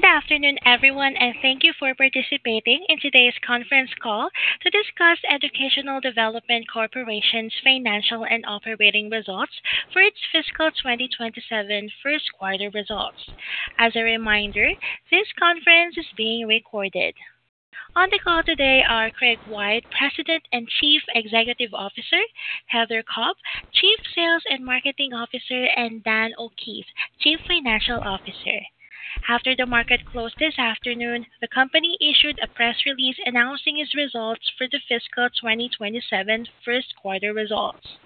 Good afternoon, everyone, and thank you for participating in today's conference call to discuss Educational Development Corporation's Financial and Operating Results for its Fiscal 2027 first quarter results. As a reminder, this conference is being recorded. On the call today are Craig White, President and Chief Executive Officer, Heather Cobb, Chief Sales and Marketing Officer, and Dan O'Keefe, Chief Financial Officer. After the market closed this afternoon, the company issued a press release announcing its results for the fiscal 2027 first quarter results.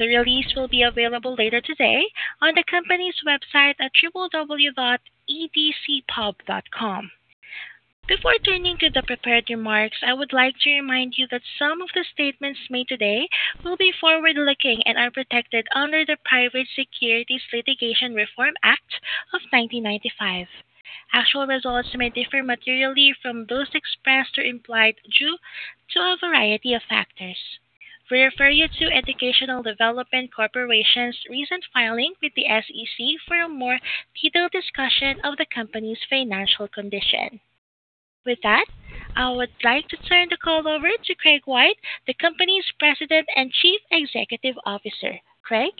The release will be available later today on the company's website at www.edcpub.com. Before turning to the prepared remarks, I would like to remind you that some of the statements made today will be forward-looking and are protected under the Private Securities Litigation Reform Act of 1995. Actual results may differ materially from those expressed or implied due to a variety of factors. We refer you to Educational Development Corporation's recent filing with the SEC for a more detailed discussion of the company's financial condition. With that, I would like to turn the call over to Craig White, the company's President and Chief Executive Officer. Craig?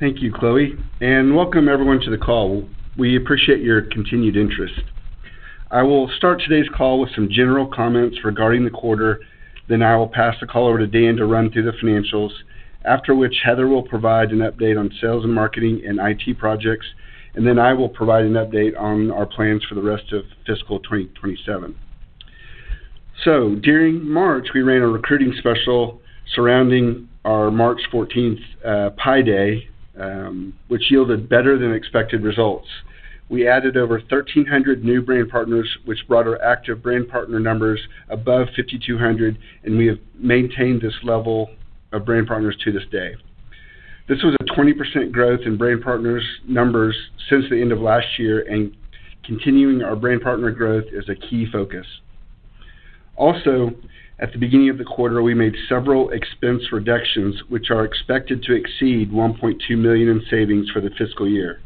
Thank you, Chloe, and welcome everyone to the call. We appreciate your continued interest. I will start today's call with some general comments regarding the quarter. I will pass the call over to Dan to run through the financials, after which Heather will provide an update on sales and marketing and IT projects, and then I will provide an update on our plans for the rest of fiscal 2027. During March, we ran a recruiting special surrounding our March 14th, Pi Day, which yielded better than expected results. We added over 1,300 new brand partners, which brought our active brand partner numbers above 5,200, and we have maintained this level of brand partners to this day. This was a 20% growth in brand partners numbers since the end of last year, and continuing our brand partner growth is a key focus. Also, at the beginning of the quarter, we made several expense reductions, which are expected to exceed $1.2 million in savings for the fiscal year.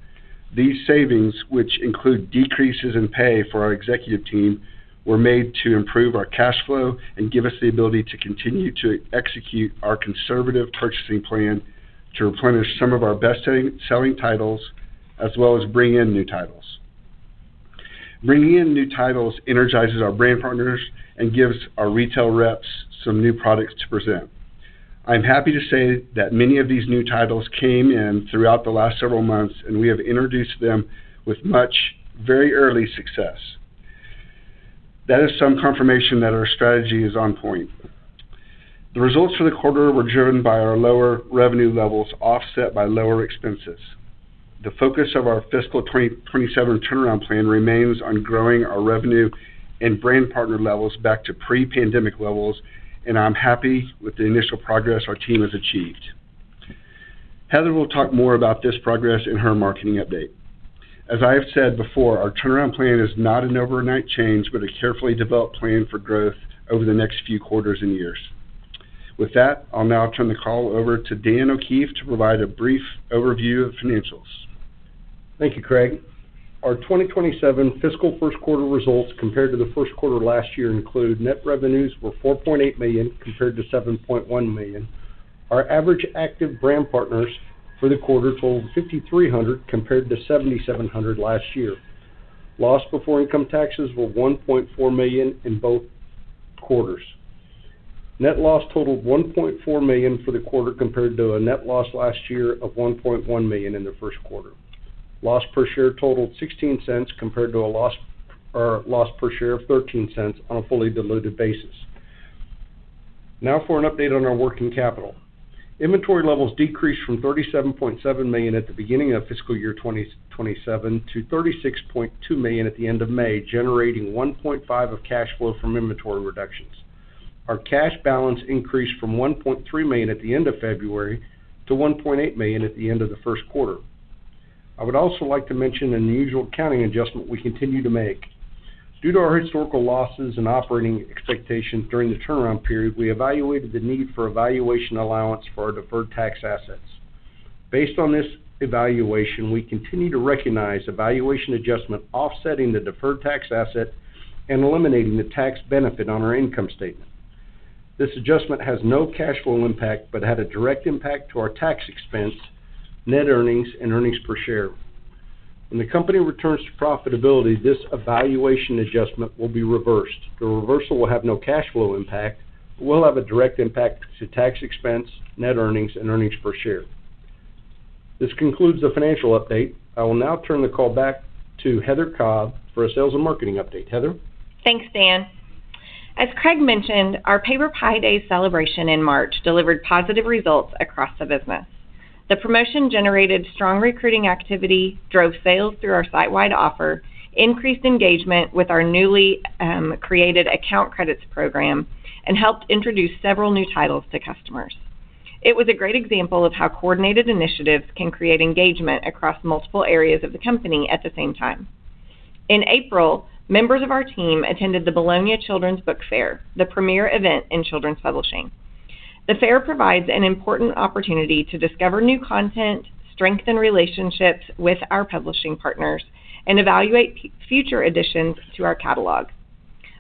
These savings, which include decreases in pay for our executive team, were made to improve our cash flow and give us the ability to continue to execute our conservative purchasing plan to replenish some of our best-selling titles, as well as bring in new titles. Bringing in new titles energizes our brand partners and gives our retail reps some new products to present. I'm happy to say that many of these new titles came in throughout the last several months, and we have introduced them with much very early success. That is some confirmation that our strategy is on point. The results for the quarter were driven by our lower revenue levels, offset by lower expenses. The focus of our fiscal 2027 turnaround plan remains on growing our revenue and brand partner levels back to pre-pandemic levels, and I'm happy with the initial progress our team has achieved. Heather will talk more about this progress in her marketing update. As I have said before, our turnaround plan is not an overnight change, but a carefully developed plan for growth over the next few quarters and years. With that, I'll now turn the call over to Dan O'Keefe to provide a brief overview of financials. Thank you, Craig. Our 2027 fiscal first quarter results compared to the first quarter last year include net revenues were $4.8 million, compared to $7.1 million. Our average active brand partners for the quarter totaled 5,300, compared to 7,700 last year. Loss before income taxes were $1.4 million in both quarters. Net loss totaled $1.4 million for the quarter, compared to a net loss last year of $1.1 million in the first quarter. Loss per share totaled $0.16, compared to a loss per share of $0.13 on a fully diluted basis. Now for an update on our working capital. Inventory levels decreased from $37.7 million at the beginning of fiscal year 2027 to $36.2 million at the end of May, generating $1.5 of cash flow from inventory reductions. Our cash balance increased from $1.3 million at the end of February to $1.8 million at the end of the first quarter. I would also like to mention an unusual accounting adjustment we continue to make. Due to our historical losses and operating expectations during the turnaround period, we evaluated the need for a valuation allowance for our deferred tax assets. Based on this evaluation, we continue to recognize a valuation adjustment offsetting the deferred tax asset and eliminating the tax benefit on our income statement. This adjustment has no cash flow impact but had a direct impact to our tax expense, net earnings, and earnings per share. When the company returns to profitability, this evaluation adjustment will be reversed. The reversal will have no cash flow impact but will have a direct impact to tax expense, net earnings, and earnings per share. This concludes the financial update, I will now turn the call back to Heather Cobb for a sales and marketing update. Heather? Thanks, Dan. As Craig mentioned, our PaperPie Day celebration in March delivered positive results across the business. The promotion generated strong recruiting activity, drove sales through our site-wide offer, increased engagement with our newly created account credits program, and helped introduce several new titles to customers. It was a great example of how coordinated initiatives can create engagement across multiple areas of the company at the same time. In April, members of our team attended the Bologna Children's Book Fair, the premier event in children's publishing The fair provides an important opportunity to discover new content, strengthen relationships with our publishing partners, and evaluate future additions to our catalog.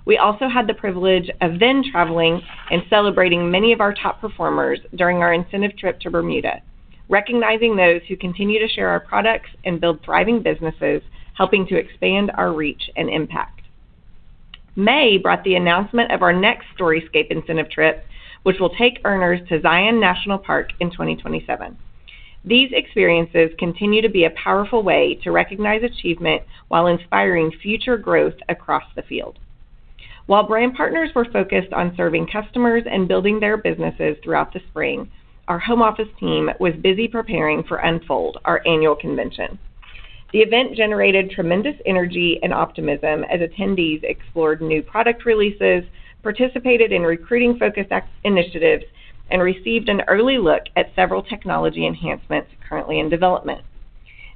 We also had the privilege of then traveling and celebrating many of our top performers during our incentive trip to Bermuda, recognizing those who continue to share our products and build thriving businesses, helping to expand our reach and impact. May brought the announcement of our next StoryScape incentive trip, which will take earners to Zion National Park in 2027. These experiences continue to be a powerful way to recognize achievement while inspiring future growth across the field. While brand partners were focused on serving customers and building their businesses throughout the spring, our home office team was busy preparing for Unfold, our annual convention. The event generated tremendous energy and optimism as attendees explored new product releases, participated in recruiting focus initiatives, and received an early look at several technology enhancements currently in development.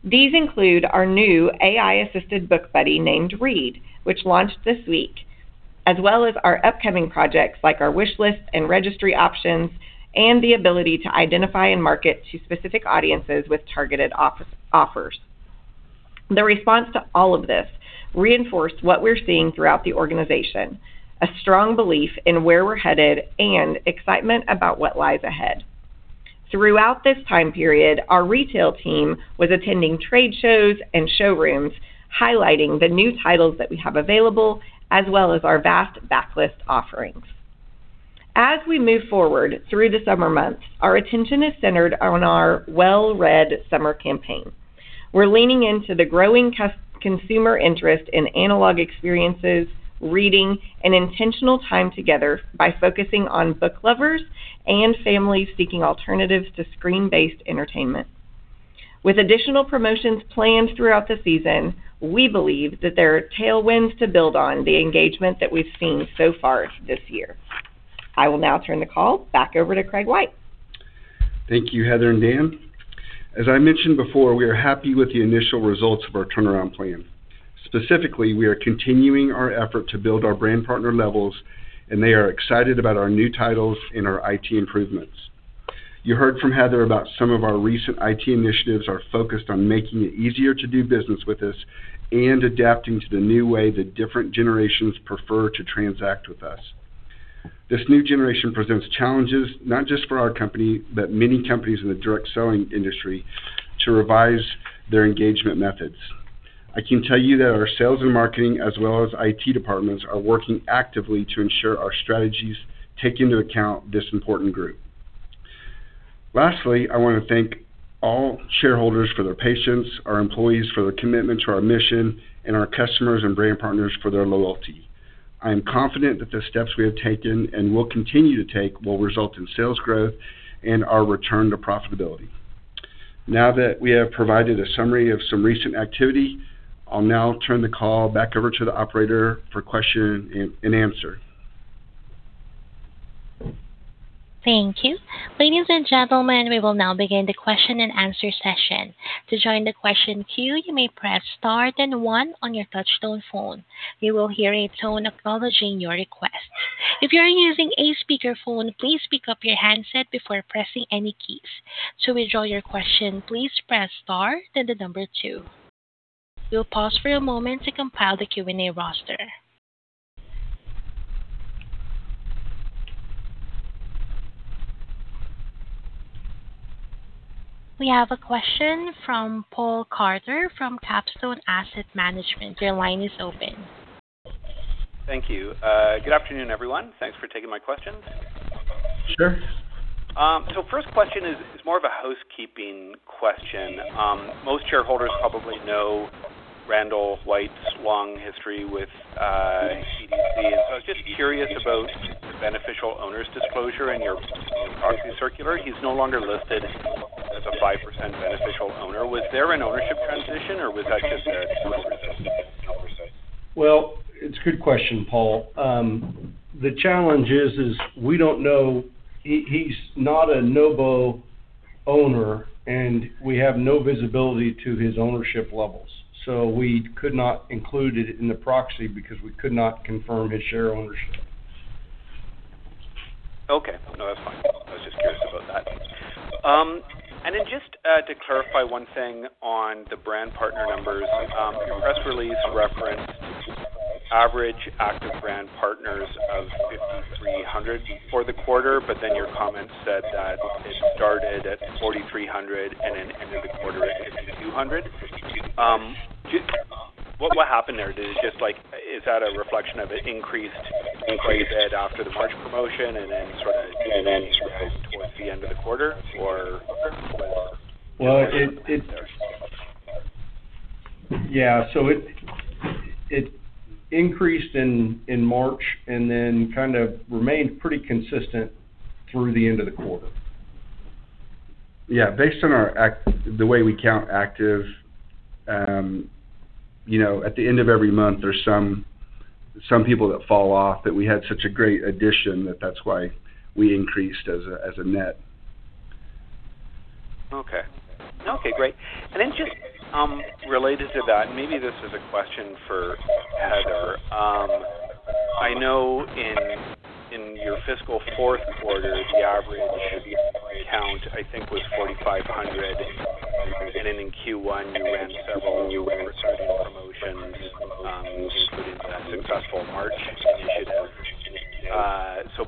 These include our new AI-assisted book buddy named Read, which launched this week, as well as our upcoming projects like our wish list and registry options, and the ability to identify and market to specific audiences with targeted offers. The response to all of this reinforced what we're seeing throughout the organization, a strong belief in where we're headed, and excitement about what lies ahead. Throughout this time period, our retail team was attending trade shows and showrooms, highlighting the new titles that we have available, as well as our vast backlist offerings. As we move forward through the summer months, our attention is centered on our well-read summer campaign. We're leaning into the growing consumer interest in analog experiences, reading, and intentional time together by focusing on book lovers and families seeking alternatives to screen-based entertainment. With additional promotions planned throughout the season, we believe that there are tailwinds to build on the engagement that we've seen so far this year. I will now turn the call back over to Craig White. Thank you, Heather and Dan. As I mentioned before, we are happy with the initial results of our turnaround plan. Specifically, we are continuing our effort to build our brand partner levels. They are excited about our new titles and our IT improvements. You heard from Heather about some of our recent IT initiatives are focused on making it easier to do business with us and adapting to the new way that different generations prefer to transact with us. This new generation presents challenges, not just for our company, but many companies in the direct selling industry to revise their engagement methods. I can tell you that our sales and marketing, as well as IT departments, are working actively to ensure our strategies take into account this important group. Lastly, I want to thank all shareholders for their patience, our employees for their commitment to our mission. Our customers and brand partners for their loyalty. I am confident that the steps we have taken and will continue to take will result in sales growth and our return to profitability. Now that we have provided a summary of some recent activity, I'll now turn the call back over to the operator for question-and-answer. Thank you. Ladies and gentlemen, we will now begin the question-and-answer session. To join the question queue, you may press star then one on your touch-tone phone. You will hear a tone acknowledging your request. If you are using a speakerphone, please pick up your handset before pressing any keys. To withdraw your question, please press star, then the number two. We'll pause for a moment to compile the Q&A roster. We have a question from Paul Carter from Capstone Asset Management. Your line is open. Thank you. Good afternoon, everyone. Thanks for taking my questions. Sure. First question is more of a housekeeping question. Most shareholders probably know Randall White's long history with EDC. I was just curious about the beneficial owners disclosure in your proxy circular. He's no longer listed as a 5% beneficial owner. Was there an ownership transition or was that just? It's a good question, Paul. The challenge is we don't know. He's not a NOBO owner. We have no visibility to his ownership levels. We could not include it in the proxy because we could not confirm his share ownership. Okay. No, that's fine. I was just curious about that. Just to clarify one thing on the brand partner numbers. Your press release referenced average active brand partners of 5,300 for the quarter. Your comment said that it started at 4,300 and then ended the quarter at 5,200. What happened there? Is that a reflection of an increased quite a bit after the March promotion and then sort of even then towards the end of the quarter? Well, it increased in March and then kind of remained pretty consistent through the end of the quarter. Based on the way we count active, at the end of every month, there's some people that fall off that we had such a great addition that that's why we increased as a net. Okay, great. Just related to that, maybe this is a question for Heather. I know in your fiscal fourth quarter, the average [inaudible] account, I think, was 4,500. In Q1, you ran several recruiting promotions, including that successful March initiative.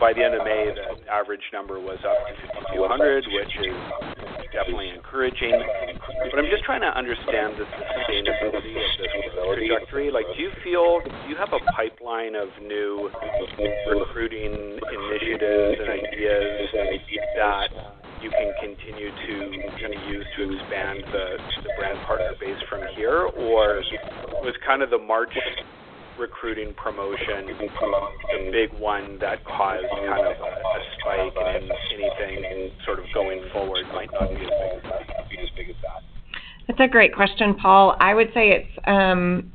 By the end of May, the average number was up to 5,200, which is definitely encouraging. I'm just trying to understand the sustainability of this trajectory. Do you feel you have a pipeline of new recruiting initiatives and ideas that you can continue to use to expand the Brand Partner base from here, or was the March recruiting promotion the big one that caused a spike in anything, and sort of going forward might not be as big as that? That's a great question, Paul. I would say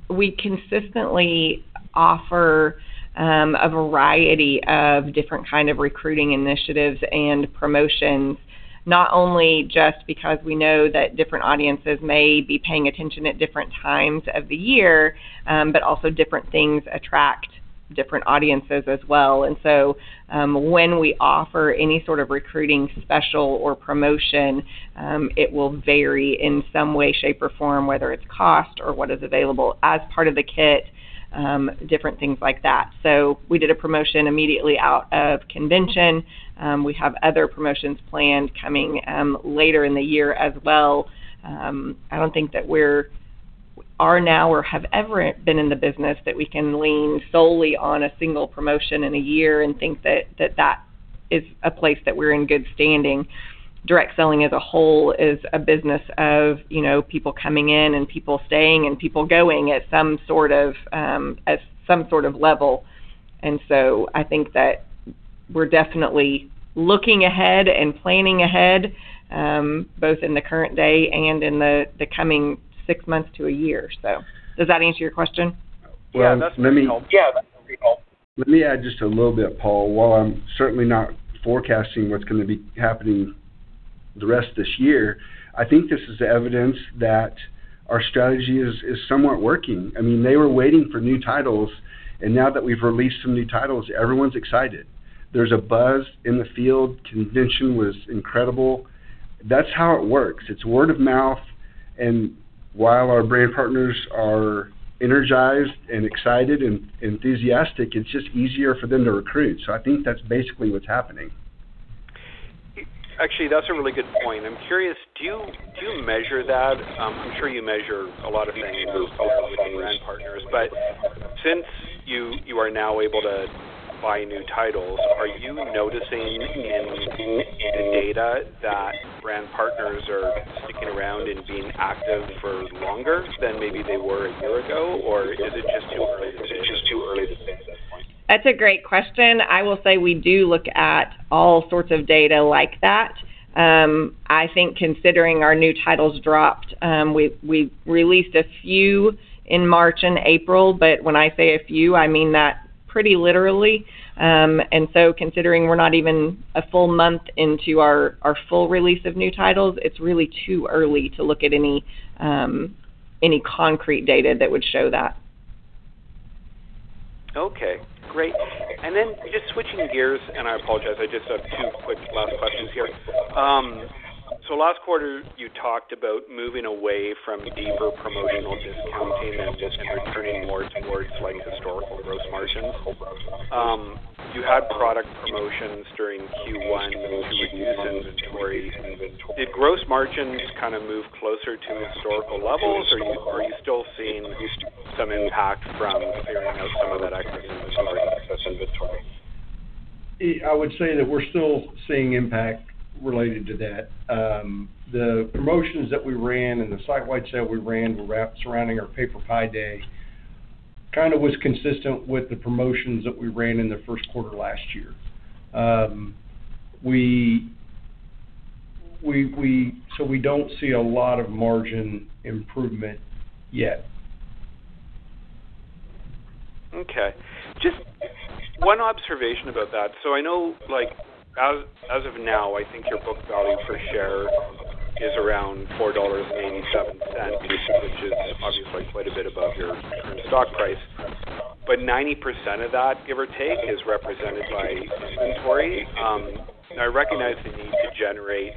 we consistently offer a variety of different kind of recruiting initiatives and promotions, not only just because we know that different audiences may be paying attention at different times of the year, but also different things attract different audiences as well. When we offer any sort of recruiting special or promotion, it will vary in some way, shape, or form, whether it's cost or what is available as part of the kit, different things like that. We did a promotion immediately out of convention, we have other promotions planned coming later in the year as well. I don't think that we are now or have ever been in the business that we can lean solely on a single promotion in a year and think that that is a place that we're in good standing. Direct selling as a whole is a business of people coming in and people staying and people going at some sort of level. I think that we're definitely looking ahead and planning ahead, both in the current day and in the coming six months to a year. Does that answer your question? Yeah, that's helpful. Let me add just a little bit, Paul. While I'm certainly not forecasting what's going to be happening the rest of this year, I think this is evidence that our strategy is somewhat working. They were waiting for new titles, and now that we've released some new titles, everyone's excited. There's a buzz in the field, convention was incredible, that's how it works. It's word of mouth, and while our Brand Partners are energized and excited and enthusiastic, it's just easier for them to recruit. I think that's basically what's happening. Actually, that's a really good point. I'm curious, do you measure that? I'm sure you measure a lot of behaviors within the Brand Partners, but since you are now able to buy new titles, are you noticing in the data that Brand Partners are sticking around and being active for longer than maybe they were a year ago, or is it just too early to say at this point? That's a great question. I will say we do look at all sorts of data like that. I think considering our new titles dropped, we released a few in March and April, but when I say a few, I mean that pretty literally. Considering we're not even a full month into our full release of new titles, it's really too early to look at any concrete data that would show that. Okay, great. Just switching gears, and I apologize, I just have two quick last questions here. Last quarter, you talked about moving away from deeper promotional discounting and just returning more towards historical gross margins. You had product promotions during Q1 to reduce inventory. Did gross margins kind of move closer to historical levels, or are you still seeing some impact from clearing out some of that excess inventory? I would say that we're still seeing impact related to that. The promotions that we ran and the site-wide sale we ran were surrounding our PaperPie Day, kind of was consistent with the promotions that we ran in the first quarter last year. We don't see a lot of margin improvement yet. Okay, just one observation about that. I know as of now, I think your book value per share is around $4.87, which is obviously quite a bit above your current stock price. 90% of that, give or take, is represented by inventory. I recognize the need to generate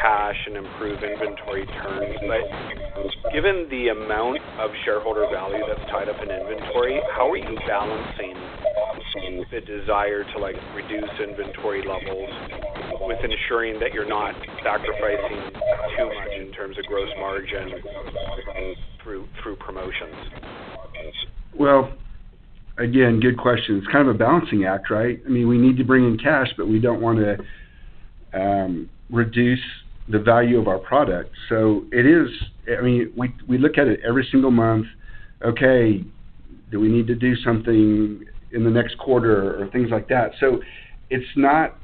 cash and improve inventory turns, but given the amount of shareholder value that's tied up in inventory, how are you balancing the desire to reduce inventory levels with ensuring that you're not sacrificing too much in terms of gross margin through promotions? Well, again, good question. It's kind of a balancing act, right? We need to bring in cash, but we don't want to reduce the value of our product. We look at it every single month. Okay, do we need to do something in the next quarter or things like that. It's not,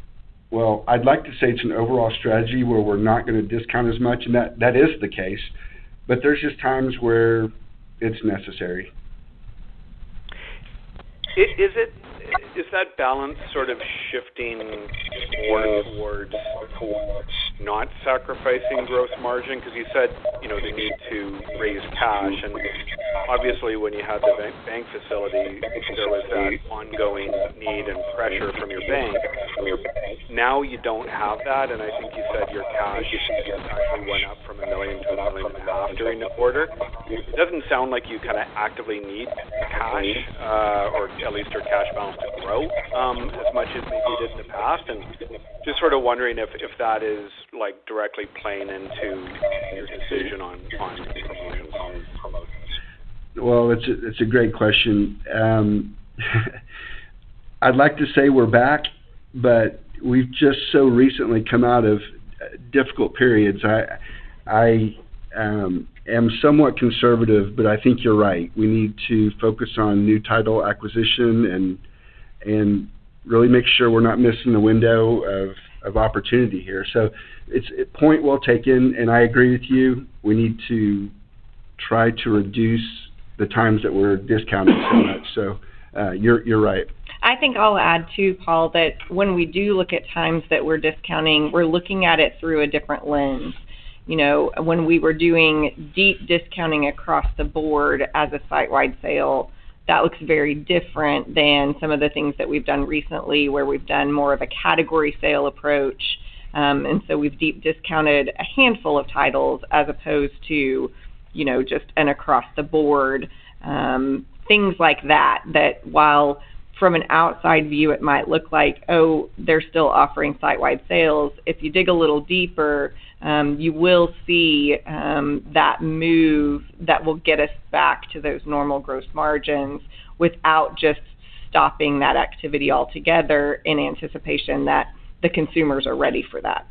I'd like to say it's an overall strategy where we're not going to discount as much, and that is the case, but there's just times where it's necessary. Is that balance shifting more towards not sacrificing gross margin? You said you need to raise cash, and obviously when you had the bank facility, there was that ongoing need and pressure from your bank. You don't have that, and I think you said your cash actually went up from $1 million-$1.5 million during the quarter. It doesn't sound like you actively need cash, or at least your cash balance to grow as much as maybe you did in the past, and just wondering if that is directly playing into your decision on promotions. Well, it's a great question. I'd like to say we're back, we've just so recently come out of difficult periods. I am somewhat conservative, but I think you're right. We need to focus on new title acquisition and really make sure we're not missing the window of opportunity here. It's a point well taken, I agree with you. We need to try to reduce the times that we're discounting so much. You're right. I think I'll add too, Paul, that when we do look at times that we're discounting, we're looking at it through a different lens. When we were doing deep discounting across the board as a site-wide sale, that looks very different than some of the things that we've done recently, where we've done more of a category sale approach. We've deep discounted a handful of titles as opposed to just an across the board. Things like that while from an outside view, it might look like, oh, they're still offering site-wide sales. If you dig a little deeper, you will see that move that will get us back to those normal gross margins without just stopping that activity altogether in anticipation that the consumers are ready for that.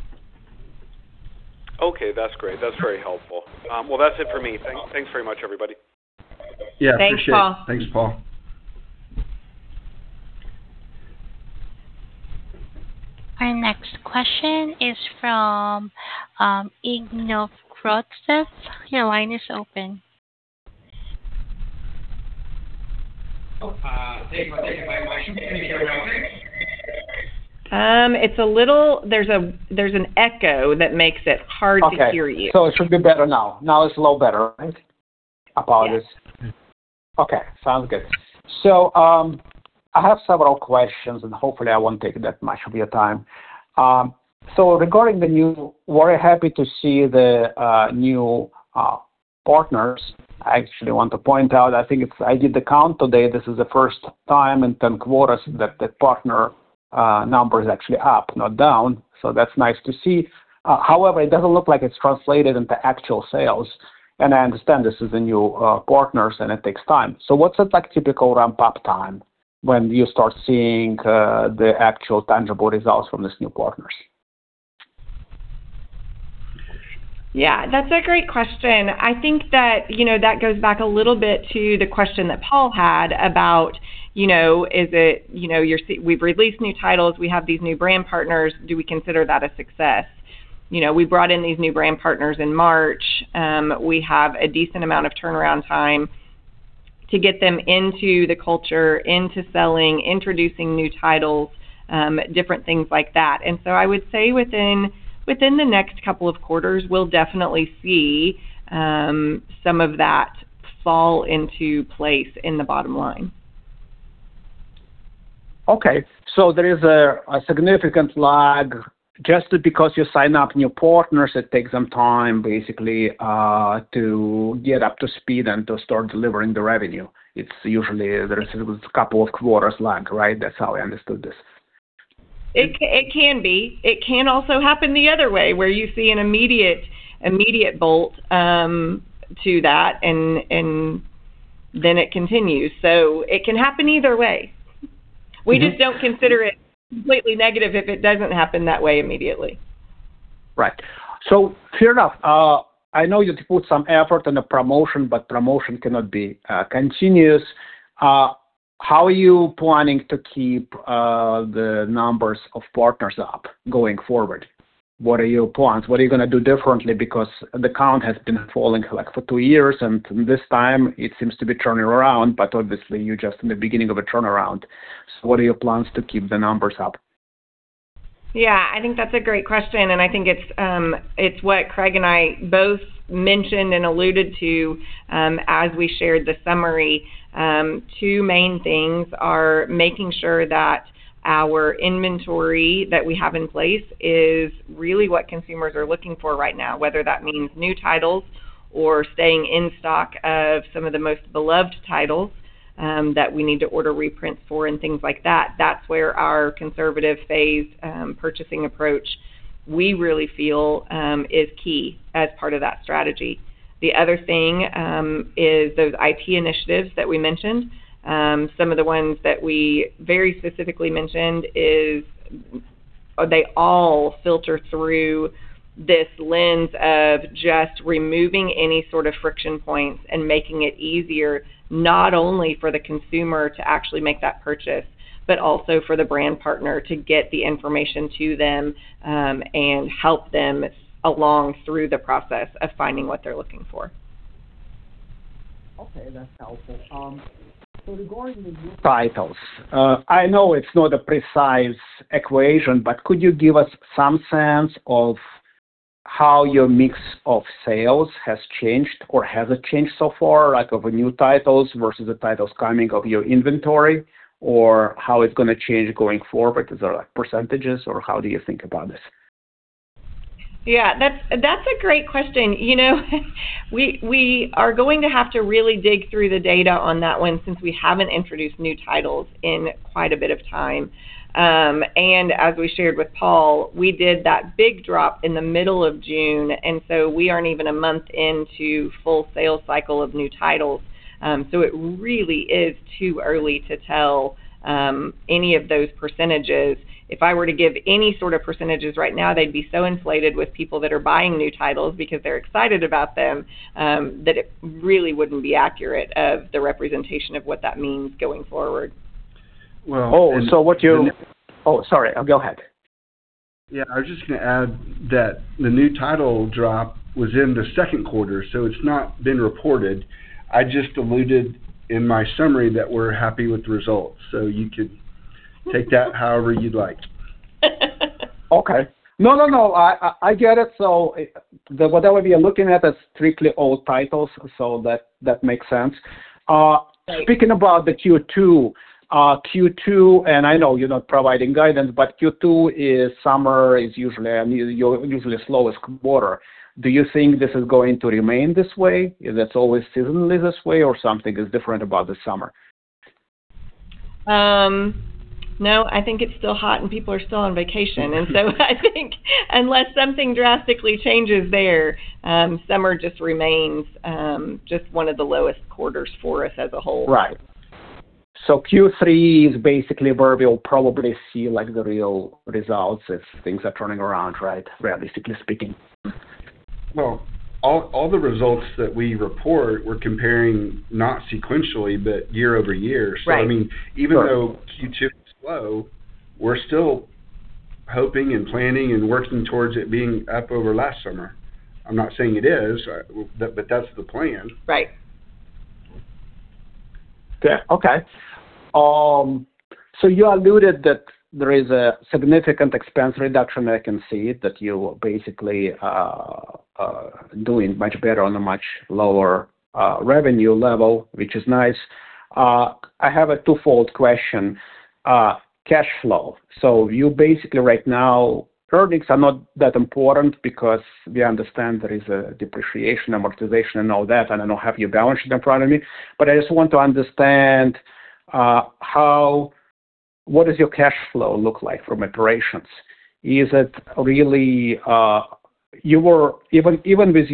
Okay. That's great, that's very helpful. Well, that's it for me. Thanks very much, everybody. Yeah, appreciate it. Thanks, Paul. Thanks, Paul. Our next question is from Igor Novgorodtsev. Your line is open. Thank you very much. Can you hear me okay? A little, there's an echo that makes it hard to hear you. Okay, it should be better now. Now it's a little better, right? Apologies. Yes. Okay, sounds good. I have several questions, and hopefully I won't take that much of your time. Regarding the new, we're happy to see the new partners. I actually want to point out, I did the count today. This is the first time in 10 quarters that the partner number is actually up, not down. That's nice to see. However, it doesn't look like it's translated into actual sales. I understand this is the new partners and it takes time. What's a typical ramp-up time when you start seeing the actual tangible results from these new partners? Yeah, that's a great question. I think that goes back a little bit to the question that Paul had about, we've released new titles, we have these new brand partners. Do we consider that a success? We brought in these new brand partners in March. We have a decent amount of turnaround time to get them into the culture, into selling, introducing new titles, different things like that. I would say within the next couple of quarters, we'll definitely see some of that fall into place in the bottom line. There is a significant lag. Just because you sign up new partners, it takes them time, basically, to get up to speed and to start delivering the revenue. It's usually there's a couple of quarters lag, right? That's how I understood this. It can be. It can also happen the other way, where you see an immediate bolt to that and then it continues. It can happen either way. We just don't consider it completely negative if it doesn't happen that way immediately. Right, fair enough. I know you put some effort in the promotion, but promotion cannot be continuous. How are you planning to keep the numbers of partners up going forward? What are your plans? What are you going to do differently? Because the count has been falling for two years, and this time it seems to be turning around, but obviously you're just in the beginning of a turnaround. What are your plans to keep the numbers up? Yeah, I think that's a great question, and I think it's what Craig and I both mentioned and alluded to as we shared the summary. Two main things are making sure that our inventory that we have in place is really what consumers are looking for right now, whether that means new titles or staying in stock of some of the most beloved titles that we need to order reprints for and things like that. That's where our conservative phase purchasing approach, we really feel is key as part of that strategy. The other thing is those IT initiatives that we mentioned. Some of the ones that we very specifically mentioned is they all filter through this lens of just removing any sort of friction points and making it easier, not only for the consumer to actually make that purchase, but also for the brand partner to get the information to them, and help them along through the process of finding what they're looking for. Okay, that's helpful. Regarding the new titles, I know it's not a precise equation, but could you give us some sense of how your mix of sales has changed, or has it changed so far? Like of new titles versus the titles coming of your inventory, or how it's going to change going forward. Is there percentages or how do you think about this? Yeah, that's a great question. We are going to have to really dig through the data on that one since we haven't introduced new titles in quite a bit of time. As we shared with Paul, we did that big drop in the middle of June, and so we aren't even a month into full sales cycle of new titles. It really is too early to tell any of those percentages. If I were to give any sort of percentages right now, they'd be so inflated with people that are buying new titles because they're excited about them, that it really wouldn't be accurate of the representation of what that means going forward. Well. Okay- Sorry, go ahead. Yeah, I was just going to add that the new title drop was in the second quarter, it's not been reported. I just alluded in my summary that we're happy with the results, you could take that however you'd like. Okay. No, I get it. What that would be looking at is strictly old titles, so that makes sense. Right. Speaking about the Q2, and I know you're not providing guidance, but Q2 is summer, is usually your slowest quarter. Do you think this is going to remain this way? Is that always seasonally this way, or something is different about the summer? No, I think it's still hot and people are still on vacation. I think unless something drastically changes there, summer just remains one of the lowest quarters for us as a whole. Right. Q3 is basically where we'll probably see the real results if things are turning around, right? Realistically speaking. Well, all the results that we report, we're comparing not sequentially, but year-over-year. I mean, even though Q2 was slow, we're still hoping and planning and working towards it being up over last summer. I'm not saying it is, but that's the plan. Right. Okay. You alluded that there is a significant expense reduction. I can see that you're basically doing much better on a much lower revenue level, which is nice. I have a twofold question. Cash flow. You basically right now, earnings are not that important because we understand there is a depreciation, amortization and all that, and I don't have your balance sheet in front of me. I just want to understand, what does your cash flow look like from operations? Even with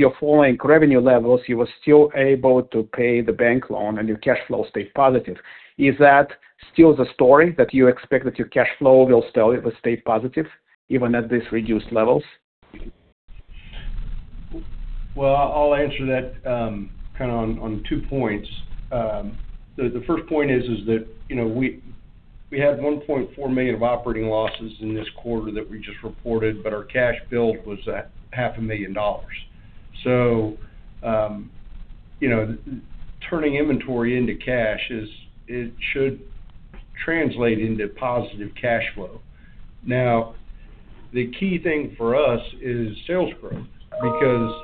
your falling revenue levels, you were still able to pay the bank loan and your cash flow stayed positive. Is that still the story that you expect that your cash flow will still stay positive even at this reduced levels? Well, I'll answer that on two points. The first point is that we had $1.4 million of operating losses in this quarter that we just reported, but our cash build was at $500,000. Turning inventory into cash, it should translate into positive cash flow. The key thing for us is sales growth, because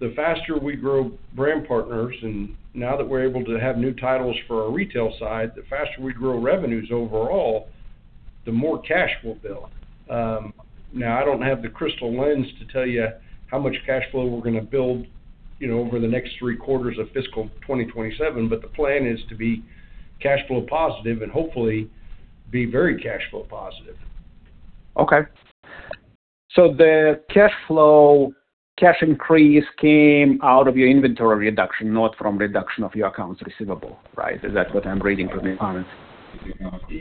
the faster we grow brand partners, and now that we're able to have new titles for our retail side, the faster we grow revenues overall, the more cash we'll build. I don't have the crystal lens to tell you how much cash flow we're going to build over the next three quarters of fiscal 2027, the plan is to be cash flow positive and hopefully be very cash flow positive. Okay. The cash flow cash increase came out of your inventory reduction, not from reduction of your accounts receivable, right? Is that what I'm reading from the comments?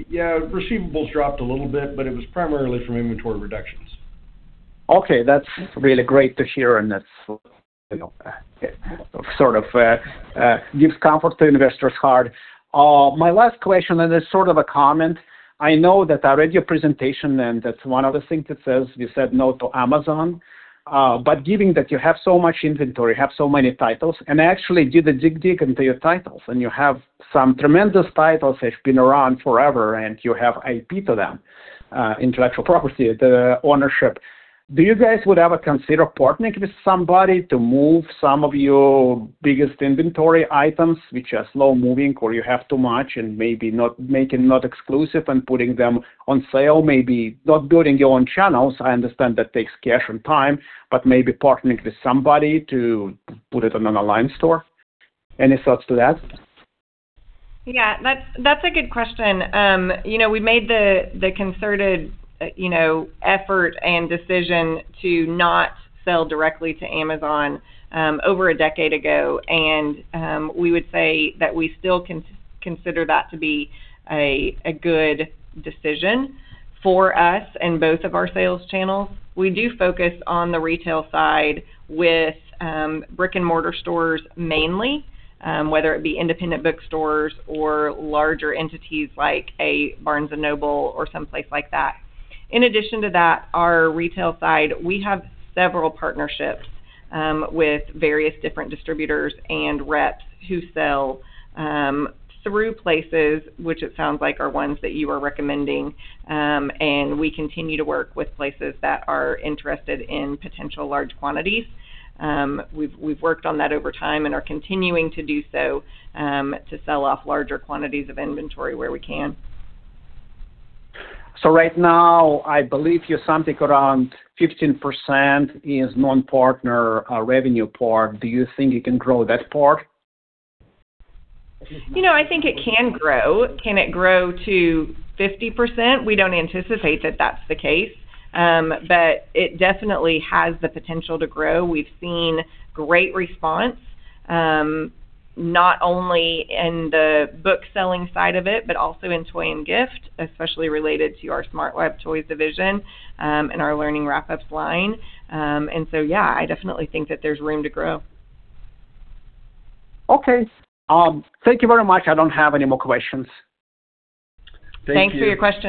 Yeah. Receivables dropped a little bit, it was primarily from inventory reductions. Okay, that's really great to hear and that sort of gives comfort to investors' heart. My last question, and it's sort of a comment. I know that I read your presentation, and that's one of the things it says, you said no to Amazon. Given that you have so much inventory, have so many titles, and I actually did a dig into your titles, and you have some tremendous titles that have been around forever, and you have IP to them, intellectual property, the ownership. Do you guys would ever consider partnering with somebody to move some of your biggest inventory items, which are slow-moving, or you have too much and maybe making not exclusive and putting them on sale? Maybe not building your own channels, I understand that takes cash and time, but maybe partnering with somebody to put it on an online store. Any thoughts to that? Yeah, that's a good question. We made the concerted effort and decision to not sell directly to Amazon over a decade ago, and we would say that we still consider that to be a good decision for us and both of our sales channels. We do focus on the retail side with brick and mortar stores mainly. Whether it be independent bookstores or larger entities like a Barnes & Noble or someplace like that. In addition to that, our retail side, we have several partnerships with various different distributors and reps who sell through places, which it sounds like are ones that you are recommending. We continue to work with places that are interested in potential large quantities. We've worked on that over time and are continuing to do so to sell off larger quantities of inventory where we can. Right now, I believe you're something around 15% is non-partner revenue part. Do you think you can grow that part? I think it can grow. Can it grow to 50%? We don't anticipate that that's the case. It definitely has the potential to grow. We've seen great response, not only in the book-selling side of it, but also in toy and gift, especially related to our SmartLab Toys division, and our Learning Wrap-Ups line. Yeah, I definitely think that there's room to grow. Okay. Thank you very much. I don't have any more questions. Thank you. Thanks for your question.